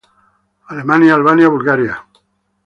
Alemania, Albania, Bulgaria.